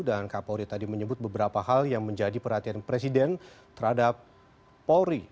dan kapolri tadi menyebut beberapa hal yang menjadi perhatian presiden terhadap polri